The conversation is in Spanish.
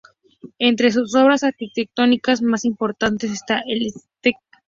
Entre sus obras arquitectónicas más importantes están el St.